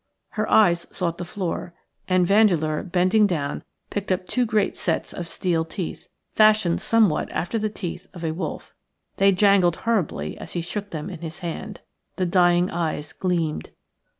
Her eyes sought the floor, and Vandeleur, bending down, picked up two great sets of steel teeth, fashioned somewhat after the teeth of a wolf. They jangled horribly as he shook them in his hand. The dying eyes gleamed.